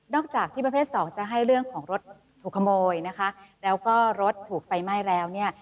จากที่ประเภทสองจะให้เรื่องของรถถูกขโมยนะคะแล้วก็รถถูกไฟไหม้แล้วเนี่ย